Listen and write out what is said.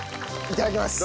いただきます！